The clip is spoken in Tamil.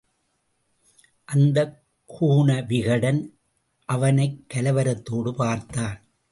அந்தக் கூன விகடன் அவனைக் கலவரத்தோடு பார்த்தான்.